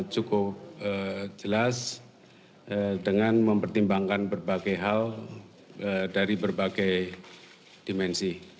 cukup jelas dengan mempertimbangkan berbagai hal dari berbagai dimensi